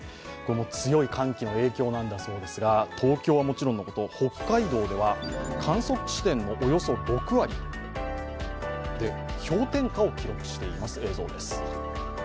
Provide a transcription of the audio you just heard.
強い寒気の影響なんだそうですが東京はもちろんのこと、北海道では観測地点のおよそ６割で氷点下を記録しています、映像です。